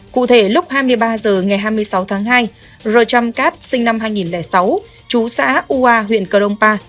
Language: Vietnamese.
cụ thể lúc hai mươi ba giờ ngày hai mươi sáu tháng hai r cat sinh năm hai nghìn sáu trú xã ua huyện cờ rông pa